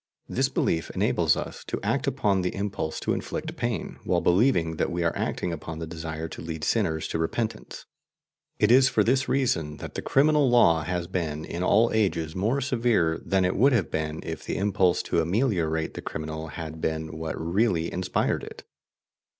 This belief enables us to act upon the impulse to inflict pain, while believing that we are acting upon the desire to lead sinners to repentance. It is for this reason that the criminal law has been in all ages more severe than it would have been if the impulse to ameliorate the criminal had been what really inspired it.